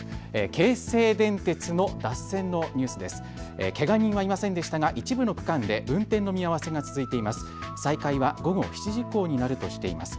京成電鉄、けが人はいませんでしたが一部の区間で運転の見合わせが続いています。